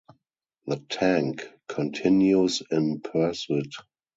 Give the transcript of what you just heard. The tank continues in pursuit.